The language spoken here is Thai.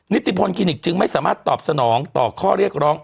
นิติพลคลินิกจึงไม่สามารถตอบสนองต่อข้อเรียกร้อง